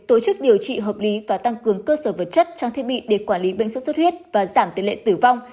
tổ chức điều trị hợp lý và tăng cường cơ sở vật chất trang thiết bị để quản lý bệnh sốt xuất huyết và giảm tỷ lệ tử vong